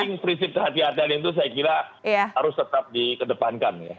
yang prinsip kehatian itu saya kira harus tetap dikedepankan ya